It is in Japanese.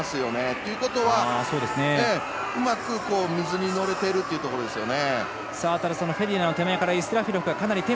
ということはうまく水に乗れているということですね。